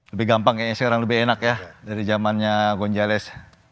lebih gampang kayaknya sekarang lebih enak ya dari zamannya gonjalez